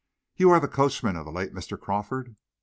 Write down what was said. "You are the coachman of the late Mr. Crawford?"